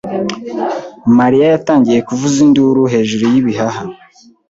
Mariya yatangiye kuvuza induru hejuru y'ibihaha.